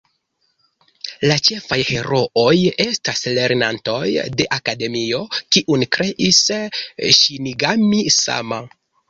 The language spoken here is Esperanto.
La ĉefaj herooj estas lernantoj de Akademio, kiun kreis Ŝinigami-sama.